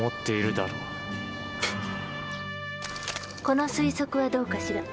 この推測はどうかしら？